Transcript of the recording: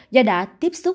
và đả tiếp xúc